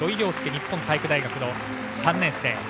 日本体育大学の３年生。